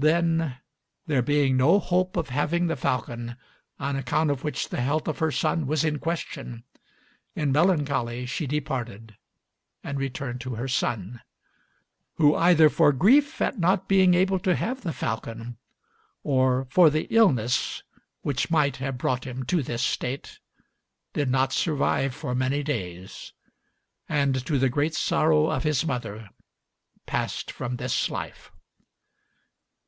Then, there being no hope of having the falcon on account of which the health of her son was in question, in melancholy she departed and returned to her son; who either for grief at not being able to have the falcon, or for the illness which might have brought him to this state, did not survive for many days, and to the great sorrow of his mother passed from this life.